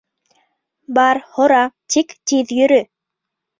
Бар, һора, тик тиҙ йөрө.